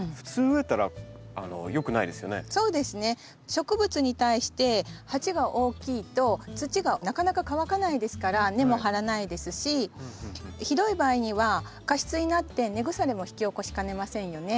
植物に対して鉢が大きいと土がなかなか乾かないですから根も張らないですしひどい場合には過湿になって根腐れも引き起こしかねませんよね。